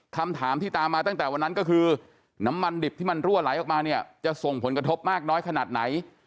คำถามที่ตามมาตั้งแต่วันนั้นก็คือน้ำมันดิบที่มันรั่วไหลออกมาเนี่ยจะส่งผลกระทบมากน้อยขนาดไหน